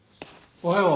おはよう